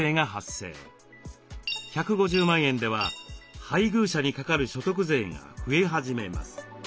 １５０万円では配偶者にかかる所得税が増え始めます。